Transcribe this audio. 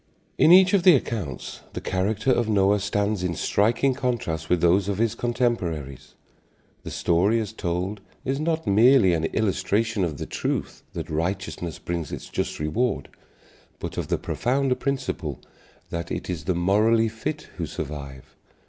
In each of the accounts the character of Noah stands in striking contrast with those of his contemporaries. The story as told is not merely an illustration of the truth that righteousness brings its just reward, but of the profounder principle that it is the morally fit who survive.